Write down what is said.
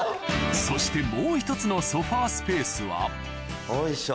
そしてもう１つのソファスペースはよいしょ。